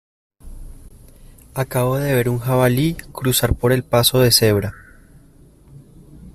Acabo de ver un jabalí cruzar por el paso de cebra.